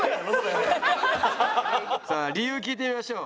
さあ理由聞いてみましょう。